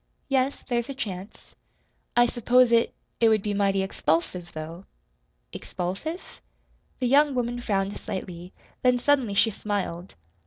"Yes, there's a chance." "I s'pose it it would be mighty expulsive, though." "Expulsive?" The young woman frowned slightly; then suddenly she smiled.